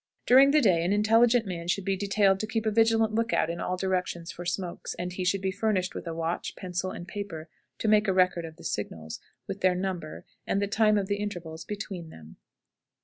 During the day an intelligent man should be detailed to keep a vigilant look out in all directions for smokes, and he should be furnished with a watch, pencil, and paper, to make a record of the signals, with their number, and the time of the intervals between them.